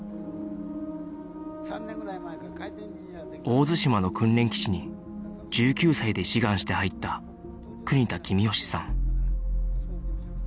大津島の訓練基地に１９歳で志願して入った國田公義さん